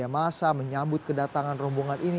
masa menyambut kedatangan rombongan ini